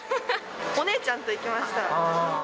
お姉ちゃんと行きました。